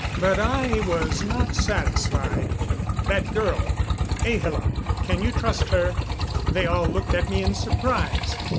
But I was not satisfied. "That girl, Ahla can you trust her?" They all looked at me in surprise.